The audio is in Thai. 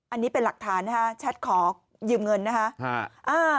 อันนี้เป็นหลักฐานนะฮะแชทขอยืมเงินนะคะ